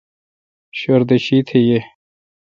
شردہ شیتھ یے۔